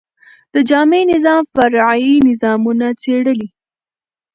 د جامع نظام، فرعي نظامونه څيړي.